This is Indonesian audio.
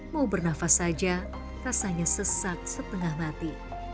mau bernafas saja rasanya sesak setengah mati